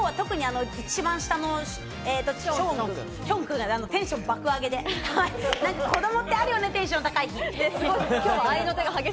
一番下のショーン君がテンション爆上げで、子供ってあるよねテンション高い日。